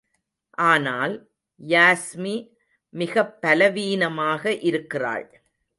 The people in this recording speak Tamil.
ஆனால், யாஸ்மி மிகப் பலவீனமாக இருக்கிறாள்.